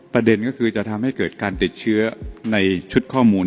ประเด็นก็คือจะทำให้เกิดการติดเชื้อในชุดข้อมูล